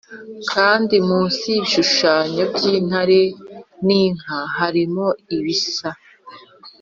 kandi munsi y’ibishushanyo by’intare n’inka hariho ibisa